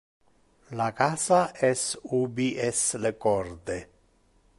Le casa es ubi es le corde.